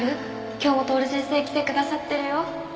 今日も徹先生来てくださってるよ。